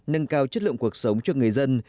nâng cao chất lượng cuộc sống cho người dân